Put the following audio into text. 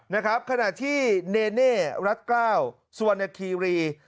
นะครับขณะที่เนเน่รัฐเกล้าสุวรรณคีรี